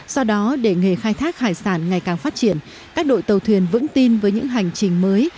do đó để nghề khai thác hải sản ngày càng phát triển các đội tàu thuyền vững tin với những hành trình mới